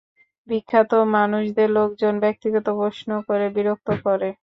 বিখ্যাত মানুষদের লোকজন ব্যক্তিগত প্রশ্ন করে বিরক্ত করে।